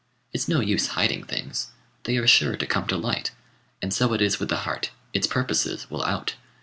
It's no use hiding things, they are sure to come to light; and so it is with the heart, its purposes will out.